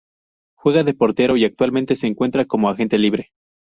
Juega de Portero y actualmente se encuentra como Agente Libre.